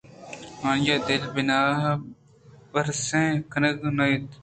آئی ءِ دل ءَبناربس شر کنگ ءَ نہ اَت